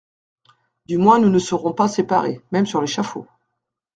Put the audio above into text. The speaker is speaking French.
Du moins nous ne serons pas séparés, même sur l'échafaud.